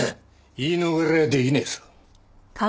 言い逃れは出来ねえぞ。